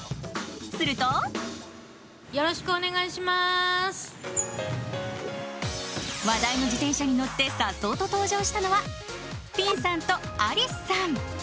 すると話題の自転車に乗ってさっそうと登場したのはピンさんとアリスさん。